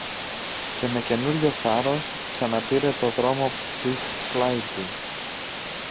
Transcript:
Και με καινούριο θάρρος ξαναπήρε το δρόμο της πλάι του.